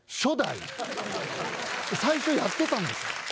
最初やってたんですか？